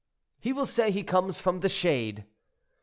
"He will say he comes from the shade."